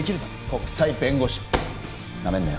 国際弁護士ナメんなよ